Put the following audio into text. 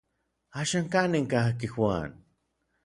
¿Axan kanin kajki Juan?